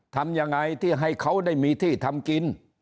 ทำยังไงที่ให้เขาได้มีที่ทำกิน